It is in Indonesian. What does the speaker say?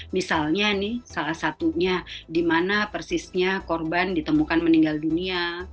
misalnya nih salah satunya di mana persisnya korban ditemukan meninggal dunia